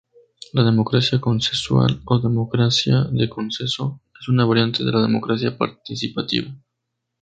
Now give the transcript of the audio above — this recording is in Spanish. La democracia consensual o "democracia de consenso" es una variante de la democracia participativa.